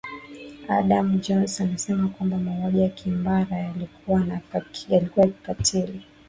adam jones anasema kwamba mauaji ya kimbari yalikuwa ya kikatili